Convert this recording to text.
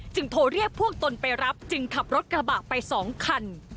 โทรเรียกพวกตนไปรับจึงขับรถกระบะไป๒คัน